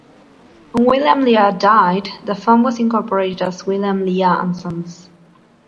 When William Lea died, the firm was incorporated as William Lea and Sons.